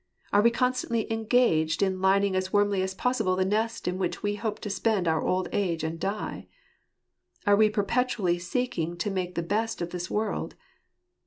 Are we con stantly engaged in lining as warmly as possible the nest in which we hope to spend our old age and die? Are we perpetually seeking to make the best of this world